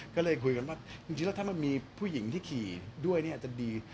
ก็เลยคุยกันว่าจริงแล้วถ้ามันมีผู้หญิงที่ขี่ด้วยเนี่ยอาจจะดี